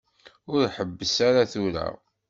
Ur ḥebbes ara tura.